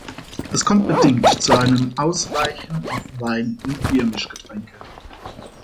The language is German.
Es kommt bedingt zu einem Ausweichen auf Wein- und Biermischgetränke.